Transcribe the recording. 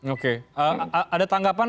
oke ada tanggapan